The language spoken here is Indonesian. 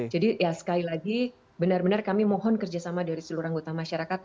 jadi ya sekali lagi benar benar kami mohon kerjasama dari seluruh anggota masyarakat